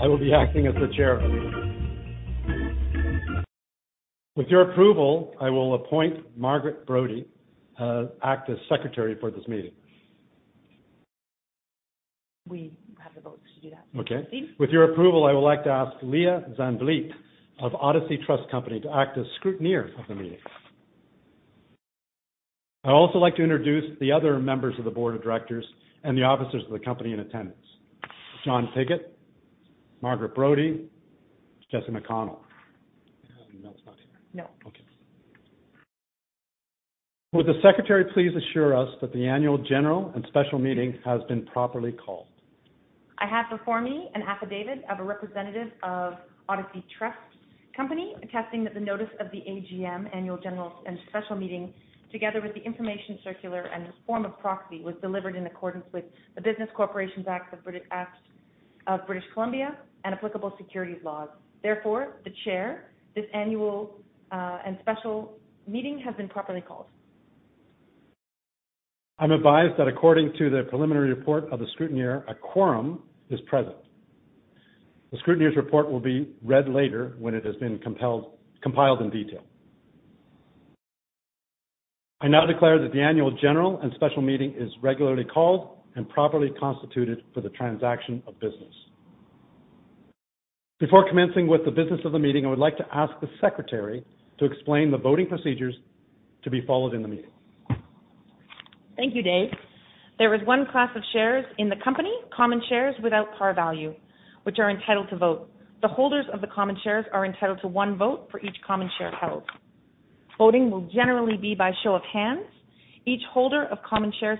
I will be acting as the chair. With your approval, I will appoint Margaret Brodie, act as secretary for this meeting. We have the votes to do that. Okay. With your approval, I would like to ask Lia Zandvliet of Odyssey Trust Company to act as scrutineer of the meeting. I'd also like to introduce the other members of the Board of Directors and the officers of the company in attendance. John Pigott, Margaret Brodie, Jesse McConnell. Mel's not here. No. Okay. Will the secretary please assure us that the Annual General and Special Meeting has been properly called? I have before me an affidavit of a representative of Odyssey Trust Company, attesting that the notice of the AGM Annual General and Special Meeting, together with the information circular and form of proxy, was delivered in accordance with the Business Corporations Act of British Columbia and applicable securities laws. The Chair, this annual and special meeting has been properly called. I'm advised that according to the preliminary report of the scrutineer, a quorum is present. The scrutineer's report will be read later when it has been compiled in detail. I now declare that the Annual General and Special Meeting is regularly called and properly constituted for the transaction of business. Before commencing with the business of the meeting, I would like to ask the secretary to explain the voting procedures to be followed in the meeting. Thank you, Dave. There is one class of shares in the company, common shares without par value, which are entitled to vote. The holders of the common shares are entitled to one vote for each common share held. Voting will generally be by show of hands. Each holder of common shares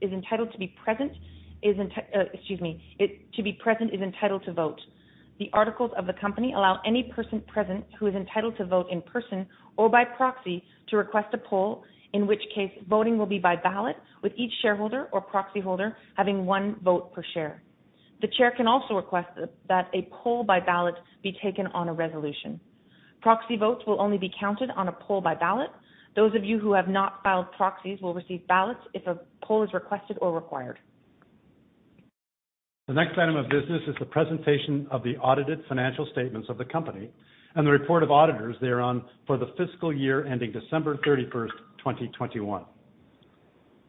is entitled to be present, excuse me, to be present is entitled to vote. The articles of the company allow any person present who is entitled to vote in person or by proxy to request a poll, in which case voting will be by ballot, with each shareholder or proxy holder having one vote per share. The chair can also request that a poll by ballot be taken on a resolution. Proxy votes will only be counted on a poll by ballot. Those of you who have not filed proxies will receive ballots if a poll is requested or required. The next item of business is the presentation of the audited financial statements of the company and the report of auditors thereon for the fiscal year ending December 31st, 2021.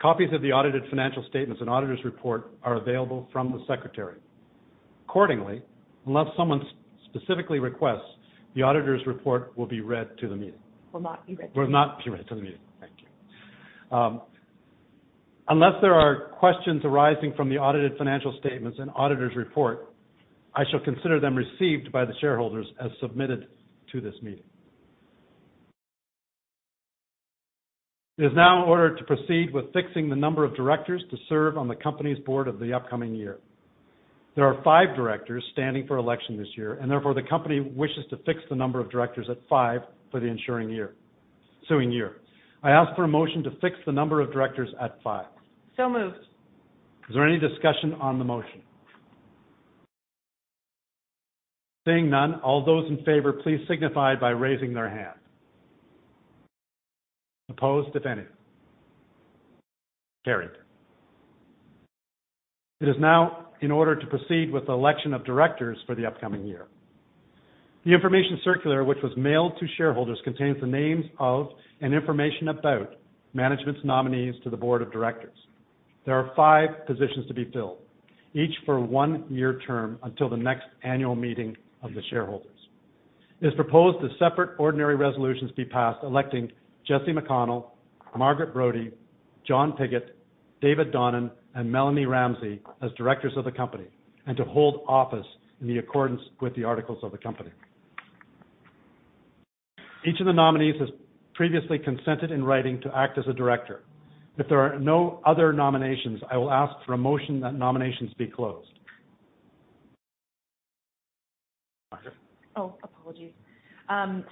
Copies of the audited financial statements and auditor's report are available from the secretary. Unless someone s-specifically requests, the auditor's report will be read to the meeting. Will not be read to the meeting. Will not be read to the meeting. Thank you. Unless there are questions arising from the audited financial statements and auditor's report, I shall consider them received by the shareholders as submitted to this meeting. It is now in order to proceed with fixing the number of directors to serve on the company's Board of the upcoming year. There are five directors standing for election this year, therefore the company wishes to fix the number of directors at five for the ensuing year. I ask for a motion to fix the number of directors at five. Moved. Is there any discussion on the motion? Seeing none. All those in favor, please signify by raising their hand. Opposed, if any. Carried. It is now in order to proceed with the election of directors for the upcoming year. The information circular, which was mailed to shareholders, contains the names of and information about management's nominees to the Board of Directors. There are five positions to be filled, each for one year term until the next annual meeting of the shareholders. It is proposed that separate ordinary resolutions be passed, electing Jesse McConnell, Margaret Brodie, John Pigott, David Donnan, and Melanie Ramsey as directors of the company, and to hold office in the accordance with the articles of the company. Each of the nominees has previously consented in writing to act as a director. If there are no other nominations, I will ask for a motion that nominations be closed. Margaret. Apologies.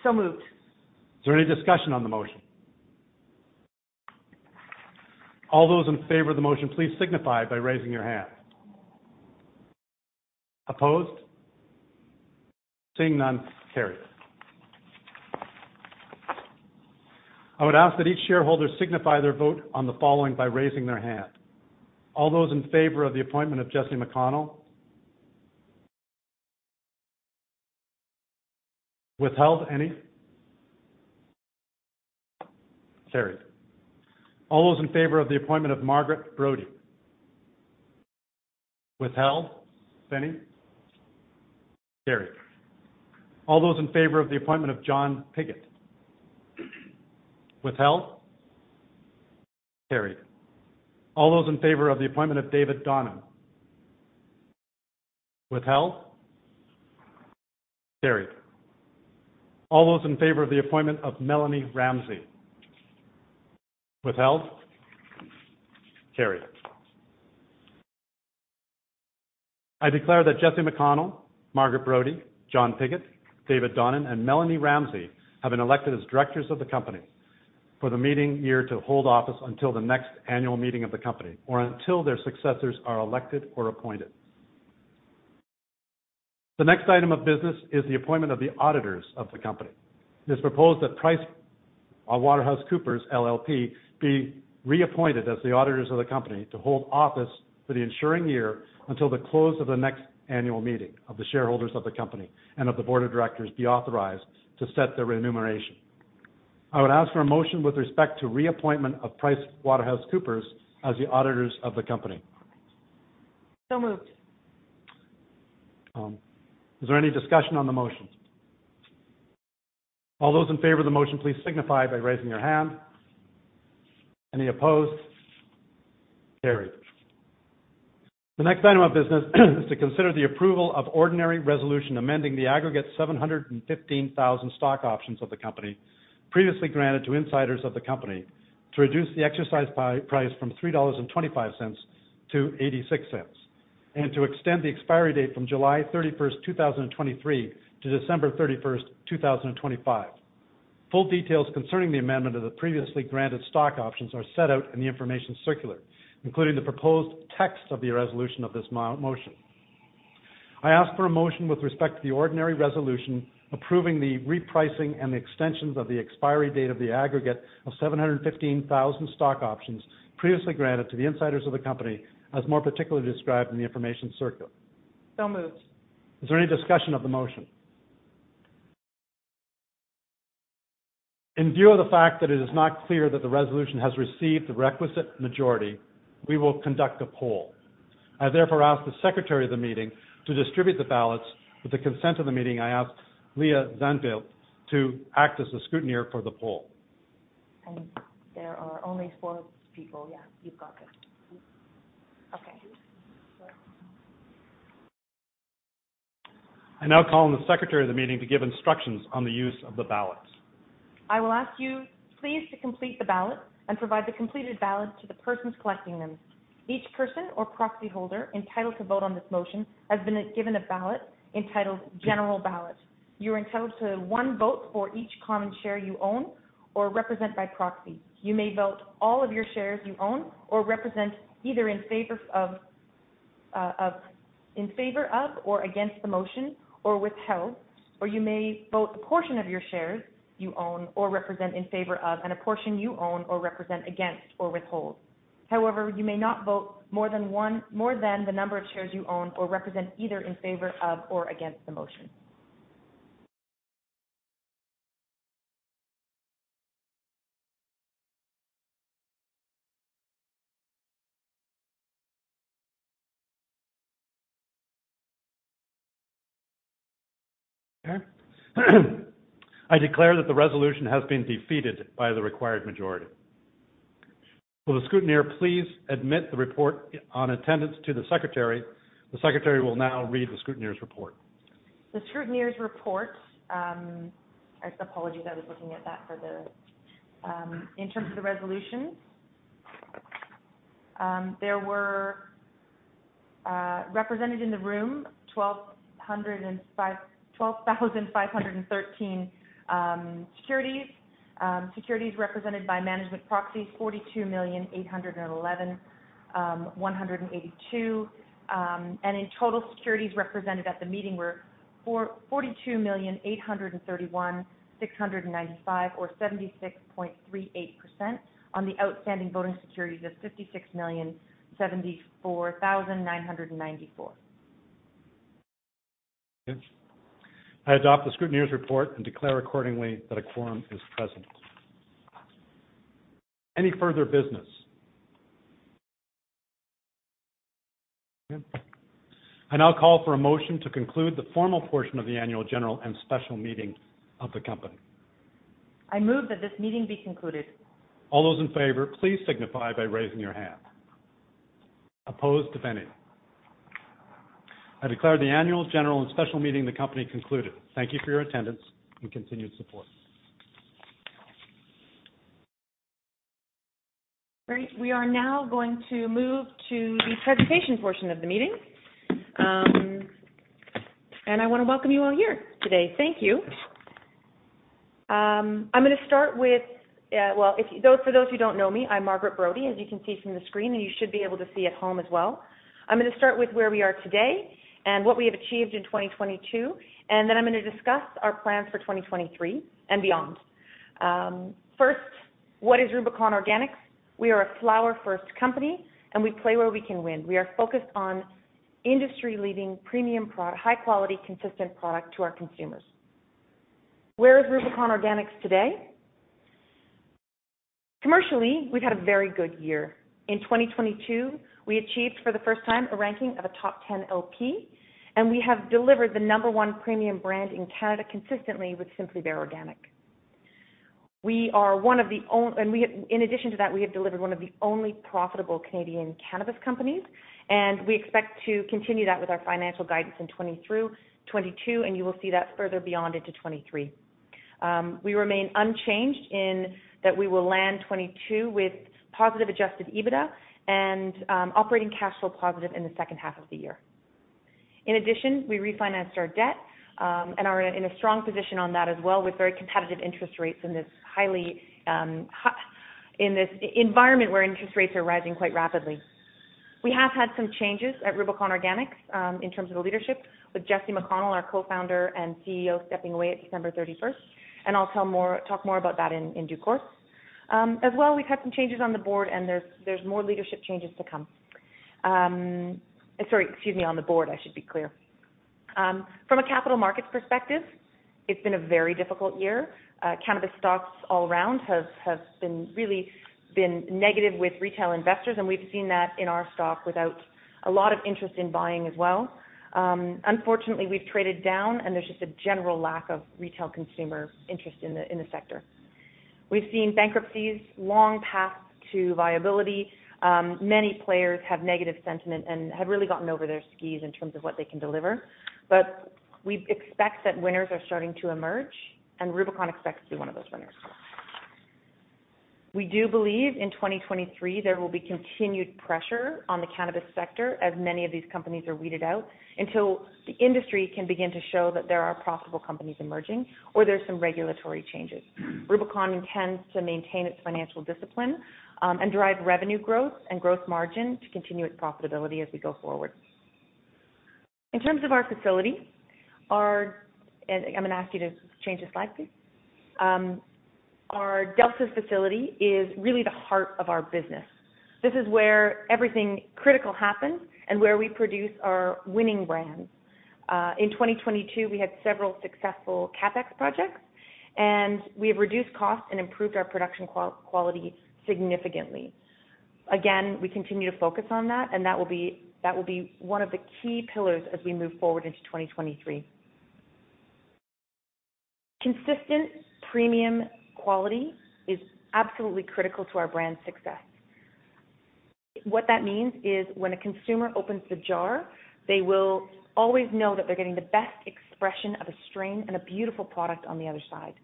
Moved. Is there any discussion on the motion? All those in favor of the motion, please signify by raising your hand. Opposed? Seeing none, carried. I would ask that each shareholder signify their vote on the following by raising their hand. All those in favor of the appointment of Jesse McConnell. Withheld, any? Carried. All those in favor of the appointment of Margaret Brodie. Withheld, if any? Carried. All those in favor of the appointment of John Pigott. Withheld? Carried. All those in favor of the appointment of David Donnan. Withheld? Carried. All those in favor of the appointment of Melanie Ramsey. Withheld? Carried. I declare that Jesse McConnell, Margaret Brodie, John Pigott, David Donnan, and Melanie Ramsey have been elected as directors of the company for the meeting year to hold office until the next annual meeting of the company or until their successors are elected or appointed. The next item of business is the appointment of the auditors of the company. It is proposed that PricewaterhouseCoopers LLP, be reappointed as the auditors of the company to hold office for the ensuring year until the close of the next annual meeting of the shareholders of the company and of the Board of Directors be authorized to set their remuneration. I would ask for a motion with respect to reappointment of PricewaterhouseCoopers as the auditors of the company. Moved. Is there any discussion on the motion? All those in favor of the motion, please signify by raising your hand. Any opposed? Carried. The next item of business is to consider the approval of ordinary resolution, amending the aggregate 715,000 stock options of the company previously granted to insiders of the company to reduce the exercise price from $3.25 to $0.86, and to extend the expiry date from July 31st, 2023 to December 31st, 2025. Full details concerning the amendment of the previously granted stock options are set out in the information circular, including the proposed text of the resolution of this motion. I ask for a motion with respect to the ordinary resolution, approving the repricing and the extensions of the expiry date of the aggregate of 715,000 stock options previously granted to the insiders of the company as more particularly described in the information circular. Moved. Is there any discussion of the motion? In view of the fact that it is not clear that the resolution has received the requisite majority, we will conduct a poll. I therefore ask the secretary of the meeting to distribute the ballots. With the consent of the meeting, I ask Lia Zandvliet to act as the scrutineer for the poll. There are only four people. Yeah, you've got this. Okay. I now call on the secretary of the meeting to give instructions on the use of the ballots. I will ask you please to complete the ballot and provide the completed ballot to the persons collecting them. Each person or proxy holder entitled to vote on this motion has been given a ballot entitled General Ballot. You're entitled to one vote for each common share you own or represent by proxy. You may vote all of your shares you own or represent either in favor of, in favor of, or against the motion, or withheld, or you may vote a portion of your shares you own or represent in favor of and a portion you own or represent against or withhold. However, you may not vote more than the number of shares you own or represent, either in favor of or against the motion. I declare that the resolution has been defeated by the required majority. Will the scrutineer please admit the report on attendance to the secretary. The secretary will now read the scrutineer's report. The scrutineer's report, I apologies, I was looking at that for the. In terms of the resolutions, there were represented in the room 12,513 securities. Securities represented by management proxies, 42,811,182. In total, securities represented at the meeting were 42,831,695 or 76.38% on the outstanding voting securities of 56,074,994. I adopt the scrutineer's report and declare accordingly that a quorum is present. Any further business? I now call for a motion to conclude the formal portion of the Annual General and Special Meeting of the company. I move that this meeting be concluded. All those in favor, please signify by raising your hand. Opposed, if any. I declare the Annual General and Special Meeting of the company concluded. Thank you for your attendance and continued support. Great. We are now going to move to the presentation portion of the meeting. I wanna welcome you all here today. Thank you. For those who don't know me, I'm Margaret Brodie, as you can see from the screen, and you should be able to see at home as well. I'm gonna start with where we are today and what we have achieved in 2022, then I'm gonna discuss our plans for 2023 and beyond. First, what is Rubicon Organics? We are a flower first company, we play where we can win. We are focused on industry leading premium high quality, consistent product to our consumers. Where is Rubicon Organics today? Commercially, we've had a very good year. In 2022, we achieved for the first time a ranking of a top 10 LP, and we have delivered the number one premium brand in Canada consistently with Simply Bare Organic. In addition to that, we have delivered one of the only profitable Canadian cannabis companies, and we expect to continue that with our financial guidance in 2022, and you will see that further beyond into 2023. We remain unchanged in that we will land 2022 with positive adjusted EBITDA and operating cash flow positive in the second half of the year. In addition, we refinanced our debt and are in a strong position on that as well, with very competitive interest rates in this environment where interest rates are rising quite rapidly. We have had some changes at Rubicon Organics in terms of the leadership with Jesse McConnell, our co-founder and CEO, stepping away at December 31st. I'll talk more about that in due course. As well, we've had some changes on the Board and there's more leadership changes to come. Sorry. Excuse me, on the Board, I should be clear. From a capital markets perspective, it's been a very difficult year. Cannabis stocks all around have been really negative with retail investors. We've seen that in our stock without a lot of interest in buying as well. Unfortunately, we've traded down. There's just a general lack of retail consumer interest in the sector. We've seen bankruptcies, long paths to viability. Many players have negative sentiment and have really gotten over their skis in terms of what they can deliver. We expect that winners are starting to emerge, and Rubicon expects to be one of those winners. We do believe in 2023 there will be continued pressure on the cannabis sector as many of these companies are weeded out until the industry can begin to show that there are profitable companies emerging or there's some regulatory changes. Rubicon intends to maintain its financial discipline and drive revenue growth and growth margin to continue its profitability as we go forward. In terms of our facility, I'm gonna ask you to change the slide, please. Our Delta facility is really the heart of our business. This is where everything critical happens and where we produce our winning brands. In 2022, we had several successful CapEx projects. We have reduced costs and improved our production quality significantly. We continue to focus on that, and that will be one of the key pillars as we move forward into 2023. Consistent premium quality is absolutely critical to our brand success. What that means is when a consumer opens the jar, they will always know that they're getting the best expression of a strain and a beautiful product on the other side.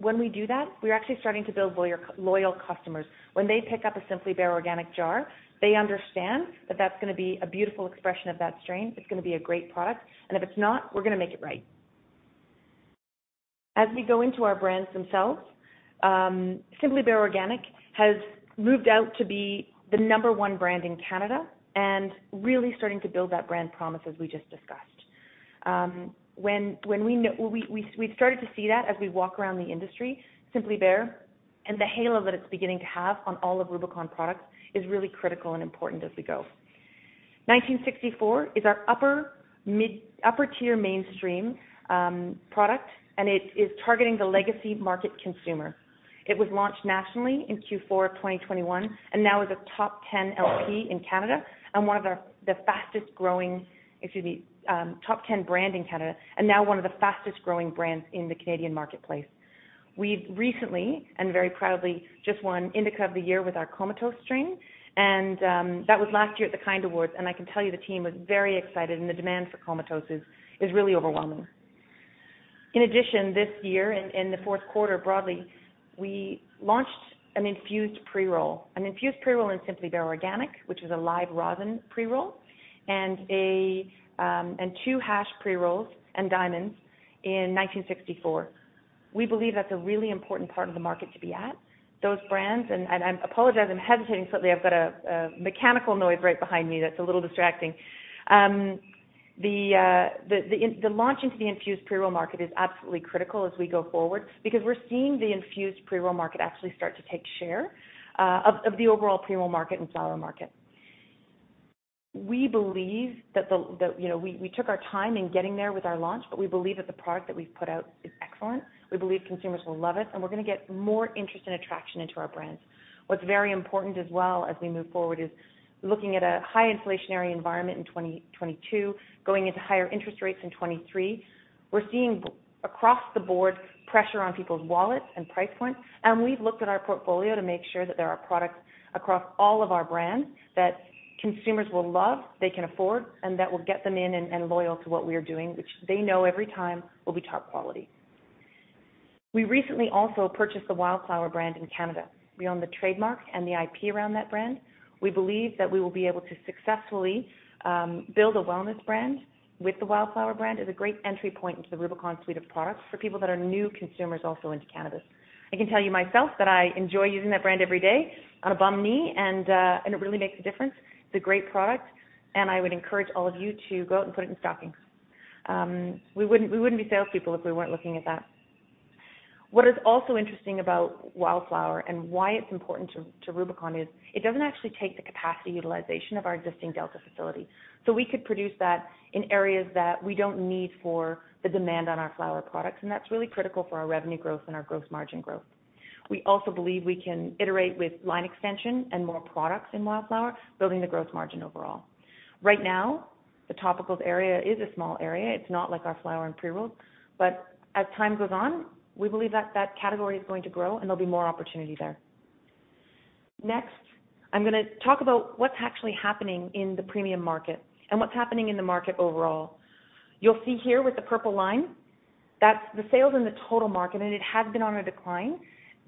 When we do that, we're actually starting to build loyal customers. When they pick up a Simply Bare Organic jar, they understand that that's gonna be a beautiful expression of that strain. It's gonna be a great product. If it's not, we're gonna make it right. As we go into our brands themselves, Simply Bare Organic has moved out to be the number one brand in Canada and really starting to build that brand promise, as we just discussed. When we've started to see that as we walk around the industry, Simply Bare and the halo that it's beginning to have on all of Rubicon products is really critical and important as we go. 1964 is our upper-tier mainstream product, and it is targeting the legacy market consumer. It was launched nationally in Q4 of 2021 and now is a top 10 LP in Canada and one of the fastest-growing, excuse me, top 10 brand in Canada and now one of the fastest-growing brands in the Canadian marketplace. We've recently and very proudly just won indica of the year with our Comatose strain, that was last year at the KIND Awards, and I can tell you the team was very excited, and the demand for Comatose is really overwhelming. In addition, this year in the fourth quarter broadly, we launched an infused pre-roll. An infused pre-roll in Simply Bare Organic, which is a live rosin pre-roll, and two hash pre-rolls and diamonds in 1964. We believe that's a really important part of the market to be at, those brands. I apologize, I'm hesitating slightly. I've got a mechanical noise right behind me that's a little distracting. The launch into the infused pre-roll market is absolutely critical as we go forward because we're seeing the infused pre-roll market actually start to take share of the overall pre-roll market and flower market. We believe that the, you know... We took our time in getting there with our launch, but we believe that the product that we've put out is excellent. We believe consumers will love it, and we're gonna get more interest and attraction into our brands. What's very important as well as we move forward is looking at a high inflationary environment in 2022, going into higher interest rates in 2023. We're seeing across the Board pressure on people's wallets and price points, and we've looked at our portfolio to make sure that there are products across all of our brands that consumers will love, they can afford, and that will get them in and loyal to what we are doing, which they know every time will be top quality. We recently also purchased the Wildflower brand in Canada. We own the trademark and the IP around that brand. We believe that we will be able to successfully build a wellness brand with the Wildflower brand as a great entry point into the Rubicon suite of products for people that are new consumers also into cannabis. I can tell you myself that I enjoy using that brand every day on a bum knee. It really makes a difference. It's a great product, and I would encourage all of you to go out and put it in stockings. We wouldn't be salespeople if we weren't looking at that. What is also interesting about Wildflower and why it's important to Rubicon is it doesn't actually take the capacity utilization of our existing Delta facility. We could produce that in areas that we don't need for the demand on our flower products, and that's really critical for our revenue growth and our gross margin growth. We also believe we can iterate with line extension and more products in Wildflower, building the growth margin overall. Right now, the topicals area is a small area. It's not like our flower and pre-rolls. As time goes on, we believe that that category is going to grow and there'll be more opportunity there. Next, I'm gonna talk about what's actually happening in the premium market and what's happening in the market overall. You'll see here with the purple line that's the sales in the total market, and it has been on a decline.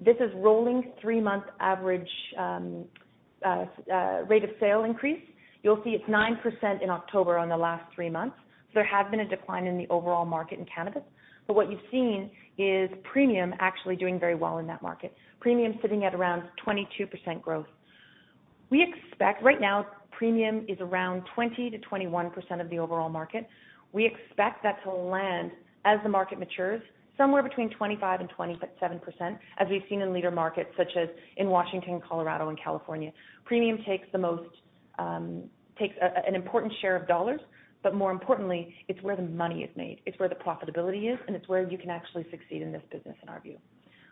This is rolling three-month average, rate of sale increase. You'll see it's 9% in October on the last three months. There has been a decline in the overall market in cannabis. What you've seen is premium actually doing very well in that market. Premium sitting at around 22% growth. We expect right now, premium is around 20%-21% of the overall market. We expect that to land as the market matures, somewhere between 25%-27%, as we've seen in leader markets such as in Washington, Colorado, and California. Premium takes an important share of dollars, but more importantly, it's where the money is made. It's where the profitability is, it's where you can actually succeed in this business, in our view.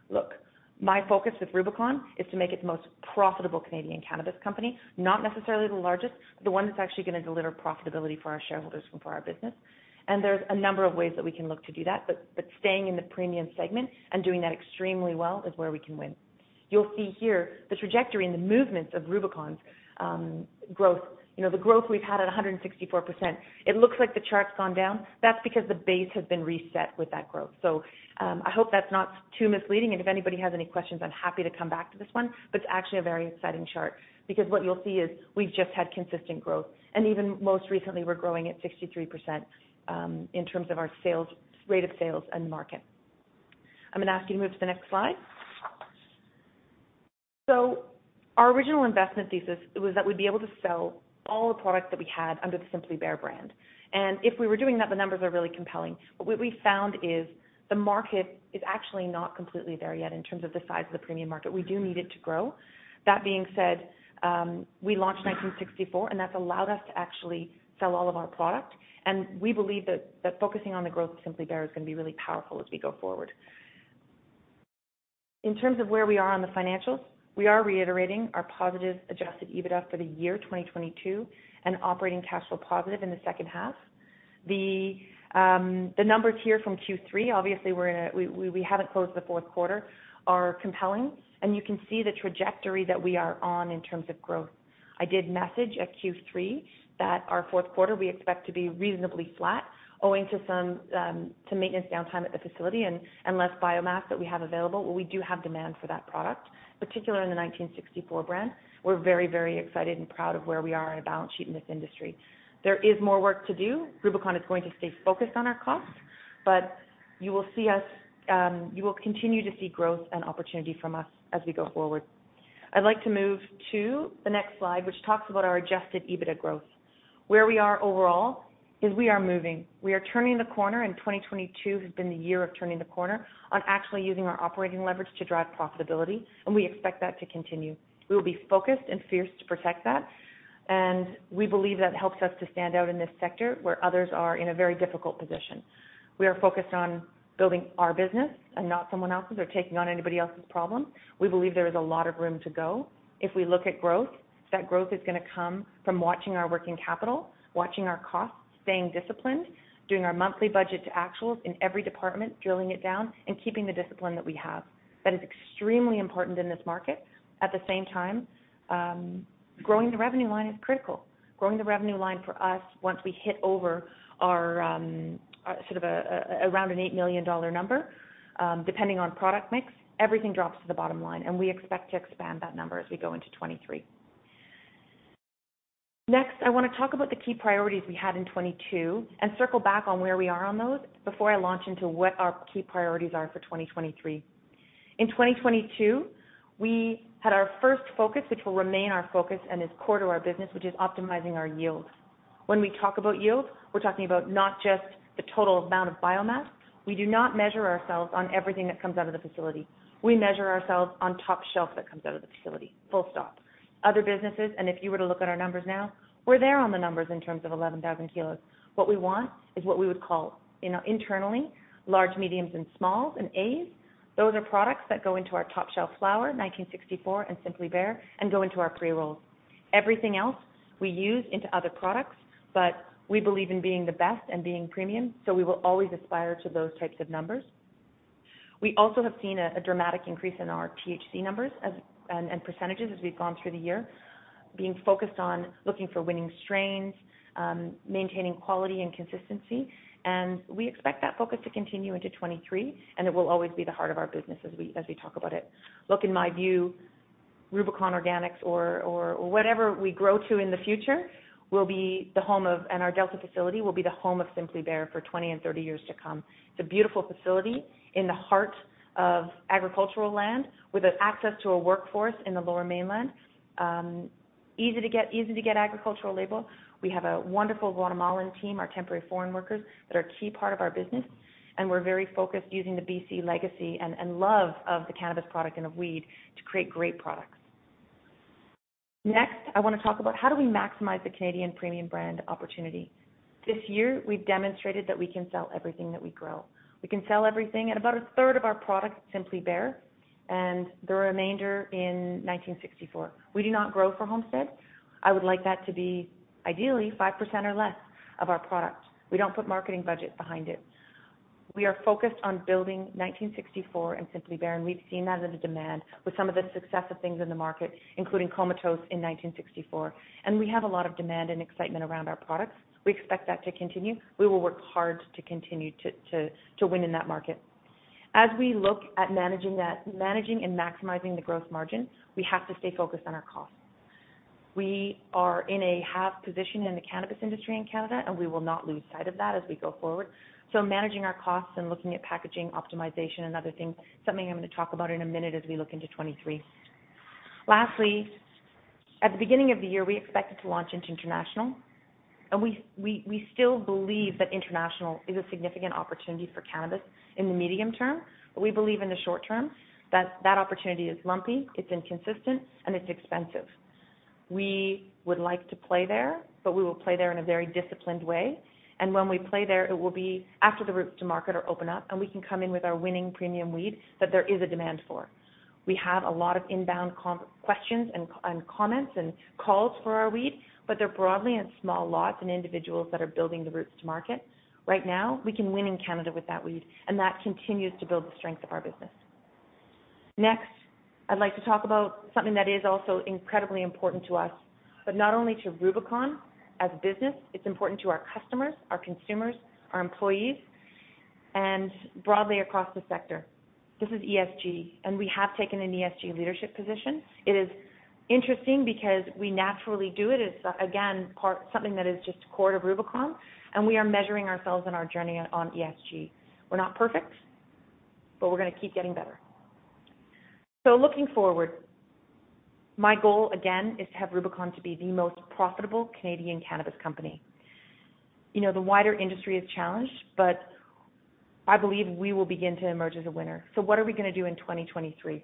Look, my focus with Rubicon is to make it the most profitable Canadian cannabis company, not necessarily the largest, the one that's actually going to deliver profitability for our shareholders and for our business. There's a number of ways that we can look to do that. Staying in the premium segment and doing that extremely well is where we can win. You'll see here the trajectory and the movements of Rubicon's growth. You know, the growth we've had at 164%, it looks like the chart's gone down. That's because the base has been reset with that growth. I hope that's not too misleading. If anybody has any questions, I'm happy to come back to this one, but it's actually a very exciting chart because what you'll see is we've just had consistent growth. Even most recently, we're growing at 63% in terms of our sales, rate of sales and market. I'm gonna ask you to move to the next slide. Our original investment thesis was that we'd be able to sell all the products that we had under the Simply Bare brand. If we were doing that, the numbers are really compelling. What we found is the market is actually not completely there yet in terms of the size of the premium market. We do need it to grow. That being said, we launched 1964, and that's allowed us to actually sell all of our product. We believe that focusing on the growth of Simply Bare is going to be really powerful as we go forward. In terms of where we are on the financials, we are reiterating our positive adjusted EBITDA for the year 2022 and operating cash flow positive in the second half. The numbers here from Q3, obviously we haven't closed the fourth quarter, are compelling, and you can see the trajectory that we are on in terms of growth. I did message at Q3 that our fourth quarter we expect to be reasonably flat owing to some maintenance downtime at the facility and less biomass that we have available, but we do have demand for that product, particularly in the 1964 brand. We're very excited and proud of where we are in a balance sheet in this industry. There is more work to do. Rubicon is going to stay focused on our costs. You will continue to see growth and opportunity from us as we go forward. I'd like to move to the next slide, which talks about our adjusted EBITDA growth. Where we are overall is we are moving. We are turning the corner. 2022 has been the year of turning the corner on actually using our operating leverage to drive profitability. We expect that to continue. We will be focused and fierce to protect that. We believe that helps us to stand out in this sector where others are in a very difficult position. We are focused on building our business and not someone else's or taking on anybody else's problem. We believe there is a lot of room to go. If we look at growth, that growth is gonna come from watching our working capital, watching our costs, staying disciplined, doing our monthly budget to actuals in every department, drilling it down and keeping the discipline that we have. That is extremely important in this market. At the same time, growing the revenue line is critical. Growing the revenue line for us once we hit over our, sort of a around a 8 million dollar number, depending on product mix, everything drops to the bottom line. We expect to expand that number as we go into 2023. Next, I wanna talk about the key priorities we had in 2022. Circle back on where we are on those before I launch into what our key priorities are for 2023. In 2022, we had our first focus, which will remain our focus and is core to our business, which is optimizing our yields. When we talk about yield, we're talking about not just the total amount of biomass. We do not measure ourselves on everything that comes out of the facility. We measure ourselves on top shelf that comes out of the facility, full stop. Other businesses, and if you were to look at our numbers now, we're there on the numbers in terms of 11,000 kg. What we want is what we would call, you know, internally large, mediums, and smalls, and A's. Those are products that go into our top-shelf flower, 1964 and Simply Bare, and go into our pre-rolls. Everything else we use into other products, but we believe in being the best and being premium, so we will always aspire to those types of numbers. We also have seen a dramatic increase in our THC numbers as, and percentage as we've gone through the year, being focused on looking for winning strains, maintaining quality and consistency. We expect that focus to continue into 2023. It will always be the heart of our business as we talk about it. Look, in my view, Rubicon Organics or whatever we grow to in the future will be the home of, our Delta facility will be the home of Simply Bare for 20 and 30 years to come. It's a beautiful facility in the heart of agricultural land with an access to a workforce in the Lower Mainland, easy to get agricultural labor. We have a wonderful Guatemalan team, our temporary foreign workers that are a key part of our business, and we're very focused using the BC legacy and love of the cannabis product and of weed to create great products. Next, I wanna talk about how do we maximize the Canadian premium brand opportunity. This year, we've demonstrated that we can sell everything that we grow. We can sell everything. About 1/3 of our product, Simply Bare, and the remainder in 1964. We do not grow for Homestead. I would like that to be ideally 5% or less of our product. We don't put marketing budgets behind it. We are focused on building 1964 and Simply Bare, and we've seen that as a demand with some of the success of things in the market, including Comatose in 1964. We have a lot of demand and excitement around our products. We expect that to continue. We will work hard to continue to win in that market. As we look at managing that, managing and maximizing the growth margin, we have to stay focused on our costs. We are in a half position in the cannabis industry in Canada, and we will not lose sight of that as we go forward. Managing our costs and looking at packaging optimization and other things, something I'm gonna talk about in a minute as we look into 2023. Lastly, at the beginning of the year, we expected to launch into international, and we still believe that international is a significant opportunity for cannabis in the medium term. We believe in the short term that that opportunity is lumpy, it's inconsistent, and it's expensive. We would like to play there, but we will play there in a very disciplined way. When we play there, it will be after the routes to market are open up, and we can come in with our winning premium weed that there is a demand for. We have a lot of inbound questions and comments and calls for our weed, but they're broadly in small lots and individuals that are building the routes to market. Right now, we can win in Canada with that weed, and that continues to build the strength of our business. Next, I'd like to talk about something that is also incredibly important to us, but not only to Rubicon as a business, it's important to our customers, our consumers, our employees, and broadly across the sector. This is ESG, and we have taken an ESG leadership position. It is interesting because we naturally do it. It's, again, something that is just core to Rubicon, and we are measuring ourselves in our journey on ESG. We're not perfect, but we're gonna keep getting better. Looking forward, my goal, again, is to have Rubicon to be the most profitable Canadian cannabis company. You know, the wider industry is challenged, but I believe we will begin to emerge as a winner. What are we gonna do in 2023?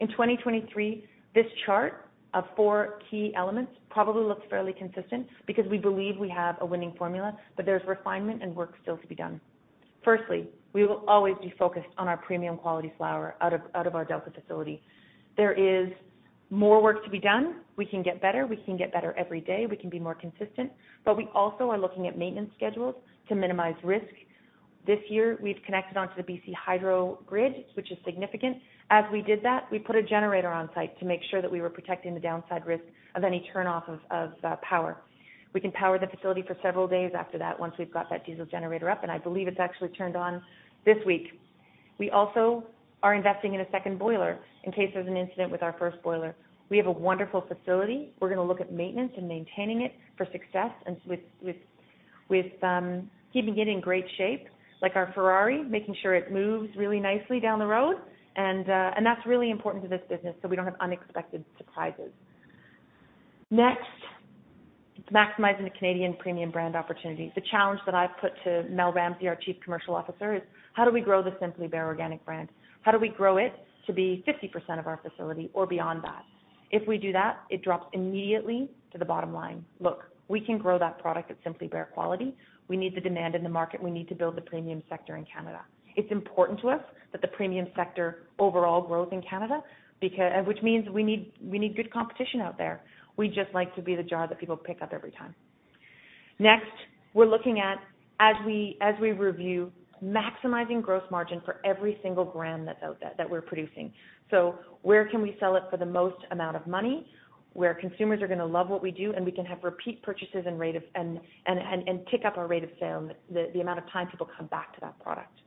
In 2023, this chart of four key elements probably looks fairly consistent because we believe we have a winning formula, but there's refinement and work still to be done. Firstly, we will always be focused on our premium quality flower out of our Delta facility. There is more work to be done. We can get better every day. We can be more consistent, but we also are looking at maintenance schedules to minimize risk. This year, we've connected onto the BC Hydro grid, which is significant. As we did that, we put a generator on site to make sure that we were protecting the downside risk of any turnoff of power. We can power the facility for several days after that once we've got that diesel generator up, and I believe it's actually turned on this week. We also are investing in a second boiler in case there's an incident with our first boiler. We have a wonderful facility. We're gonna look at maintenance and maintaining it for success and with keeping it in great shape, like our Ferrari, making sure it moves really nicely down the road. That's really important to this business so we don't have unexpected surprises. Next, it's maximizing the Canadian premium brand opportunity. The challenge that I've put to Mel Ramsey, our Chief Commercial Officer, is how do we grow the Simply Bare Organic brand? How do we grow it to be 50% of our facility or beyond that? If we do that, it drops immediately to the bottom line. Look, we can grow that product at Simply Bare quality. We need the demand in the market. We need to build the premium sector in Canada. It's important to us that the premium sector overall grows in Canada which means we need good competition out there. We just like to be the jar that people pick up every time. Next, we're looking at, as we review, maximizing gross margin for every single gram that's out there that we're producing. Where can we sell it for the most amount of money, where consumers are going to love what we do, and we can have repeat purchases and tick up our rate of sale, the amount of time people come back to that product.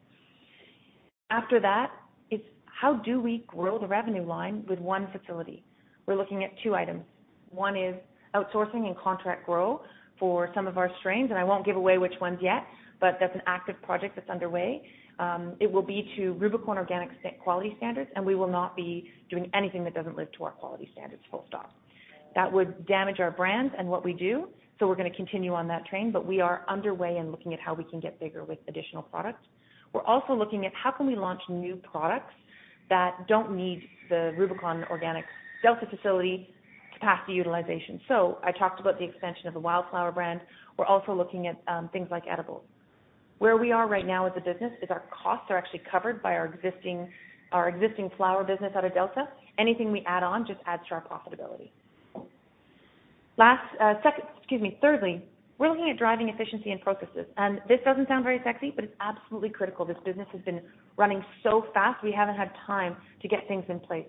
After that, it's how do we grow the revenue line with one facility? We're looking at two items. One is outsourcing and contract grow for some of our strains, and I won't give away which ones yet, but that's an active project that's underway. It will be to Rubicon Organics quality standards, and we will not be doing anything that doesn't live to our quality standards, full stop. That would damage our brand and what we do, so we're gonna continue on that train, but we are underway and looking at how we can get bigger with additional product. We're also looking at how can we launch new products that don't need the Rubicon Organics Delta facility capacity utilization. I talked about the extension of the Wildflower brand. We're also looking at things like edibles. Where we are right now as a business is our costs are actually covered by our existing flower business out of Delta. Anything we add on just adds to our profitability. Last, excuse me. Thirdly, we're looking at driving efficiency and processes, and this doesn't sound very sexy, but it's absolutely critical. This business has been running so fast, we haven't had time to get things in place.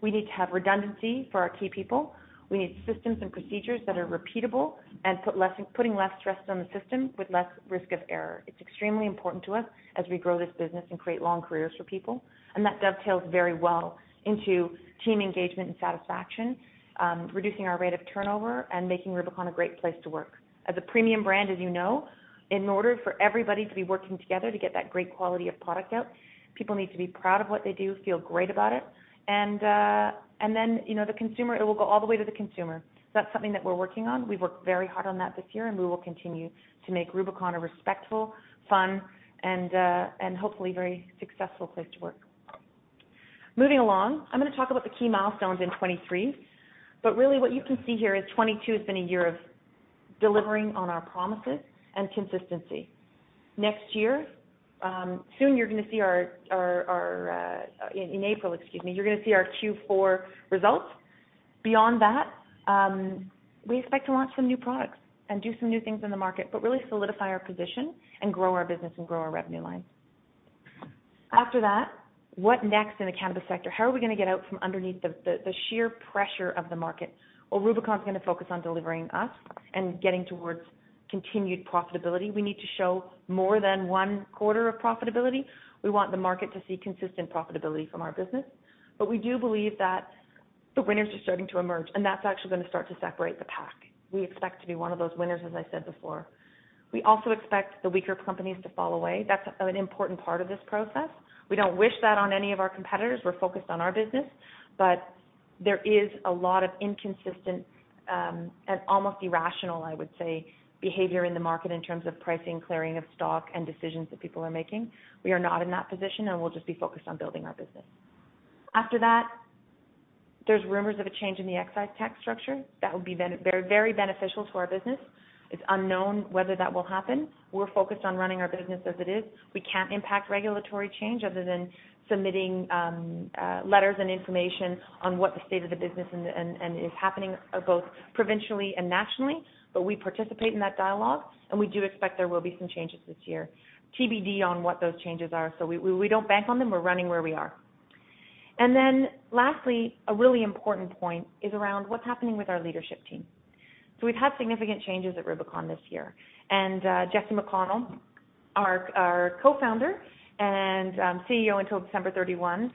We need to have redundancy for our key people. We need systems and procedures that are repeatable and putting less stress on the system with less risk of error. It's extremely important to us as we grow this business and create long careers for people. That dovetails very well into team engagement and satisfaction, reducing our rate of turnover and making Rubicon a great place to work. As a premium brand, as you know, in order for everybody to be working together to get that great quality of product out, people need to be proud of what they do, feel great about it. You know, the consumer, it will go all the way to the consumer. That's something that we're working on. We've worked very hard on that this year. We will continue to make Rubicon a respectful, fun, and hopefully very successful place to work. Moving along, I'm gonna talk about the key milestones in 2023. Really what you can see here is 2022 has been a year of delivering on our promises and consistency. Next year, in April, excuse me, you're gonna see our Q4 results. Beyond that, we expect to launch some new products and do some new things in the market, really solidify our position and grow our business and grow our revenue lines. After that, what next in the cannabis sector? How are we gonna get out from underneath the sheer pressure of the market? Well, Rubicon is gonna focus on delivering us and getting towards, continued profitability. We need to show more than one quarter of profitability. We want the market to see consistent profitability from our business. We do believe that the winners are starting to emerge, and that's actually gonna start to separate the pack. We expect to be one of those winners, as I said before. We also expect the weaker companies to fall away. That's an important part of this process. We don't wish that on any of our competitors. We're focused on our business. There is a lot of inconsistent, and almost irrational, I would say, behavior in the market in terms of pricing, clearing of stock, and decisions that people are making. We are not in that position, and we'll just be focused on building our business. After that, there's rumors of a change in the excise tax structure that will be very, very beneficial to our business. It's unknown whether that will happen. We're focused on running our business as it is. We can't impact regulatory change other than submitting letters and information on what the state of the business and is happening both provincially and nationally. We participate in that dialogue, and we do expect there will be some changes this year. TBD on what those changes are. We don't bank on them, we're running where we are. Then lastly, a really important point is around what's happening with our leadership team. We've had significant changes at Rubicon this year. Jesse McConnell, our co-founder and CEO until December 31,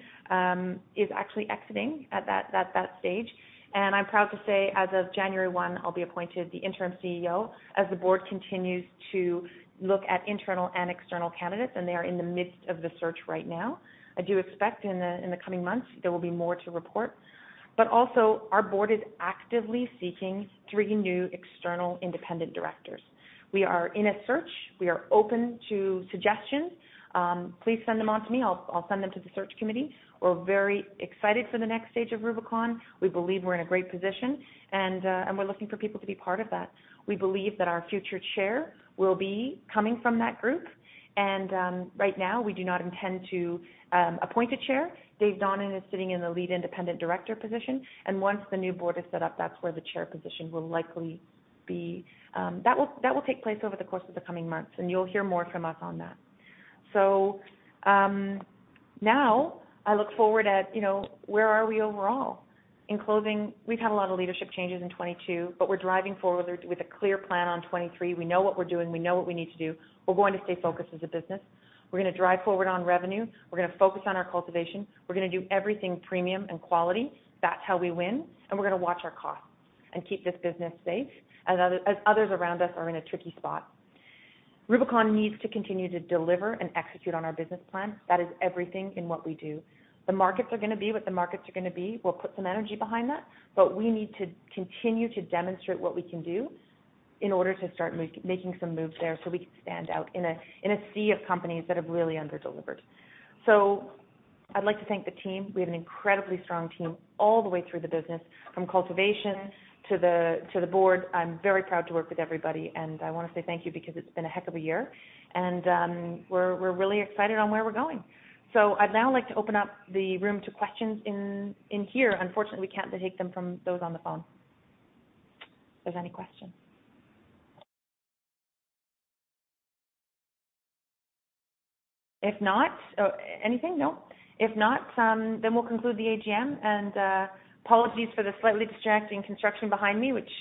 is actually exiting at that stage. I'm proud to say, as of January 1, I'll be appointed the interim CEO as the Board continues to look at internal and external candidates, and they are in the midst of the search right now. I do expect in the, in the coming months, there will be more to report. Also, our Board is actively seeking three new external independent directors. We are in a search. We are open to suggestions. Please send them on to me. I'll send them to the search committee. We're very excited for the next stage of Rubicon. We believe we're in a great position, and we're looking for people to be part of that. We believe that our future chair will be coming from that group, and right now, we do not intend to appoint a chair. Dave Donnan is sitting in the Lead Independent Director position, and once the new Board is set up, that's where the chair position will likely be. That will, that will take place over the course of the coming months, and you'll hear more from us on that. Now I look forward at, you know, where are we overall. In closing, we've had a lot of leadership changes in 2022, but we're driving forward with a clear plan on 2023. We know what we're doing. We know what we need to do. We're going to stay focused as a business. We're gonna drive forward on revenue. We're gonna focus on our cultivation. We're gonna do everything premium and quality. That's how we win. We're gonna watch our costs and keep this business safe as others around us are in a tricky spot. Rubicon needs to continue to deliver and execute on our business plan. That is everything in what we do. The markets are gonna be what the markets are gonna be. We'll put some energy behind that, but we need to continue to demonstrate what we can do in order to making some moves there so we can stand out in a sea of companies that have really under-delivered. I'd like to thank the team. We have an incredibly strong team all the way through the business, from cultivation to the Board. I'm very proud to work with everybody, and I wanna say thank you because it's been a heck of a year. We're really excited on where we're going. I'd now like to open up the room to questions in here. Unfortunately, we can't take them from those on the phone. If there's any questions. If not, anything? No? If not, then we'll conclude the AGM. Apologies for the slightly distracting construction behind me, which,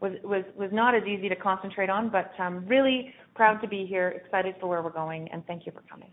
was not as easy to concentrate on. I'm really proud to be here, excited for where we're going, and thank you for coming.